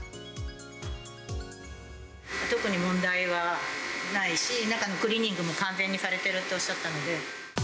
特に問題はないし、中のクリーニングも完全にされているとおっしゃったので。